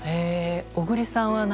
小栗さんは？